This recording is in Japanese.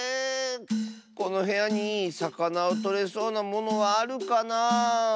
このへやにさかなをとれそうなものはあるかなあ。